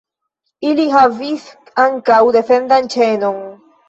Ili havis ankaŭ defendan ĉenon.